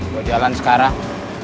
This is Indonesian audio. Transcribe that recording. gua jalan sekarang